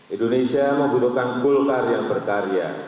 indonesia membutuhkan kulkarya berkarya